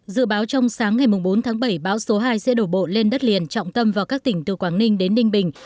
dự báo trong sáng ngày bốn tháng bảy bão số hai sẽ đổ bộ lên đất liền trọng tâm vào các tỉnh từ quảng ninh đến ninh bình